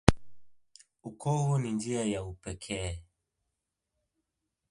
Ukovu ni njia ya upekee